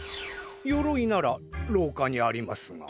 よろいならろうかにありますが。